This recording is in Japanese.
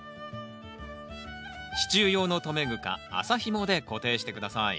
支柱用の留め具か麻ひもで固定して下さいＯＫ。